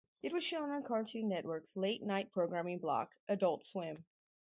It was shown on Cartoon Network's late-night programming block, Adult Swim.